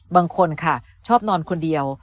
บางคนค่ะชอบนอนคนเดียว